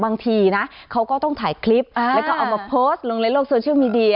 บางทีนะเขาก็ต้องถ่ายคลิปแล้วก็เอามาโพสต์ลงในโลกโซเชียลมีเดีย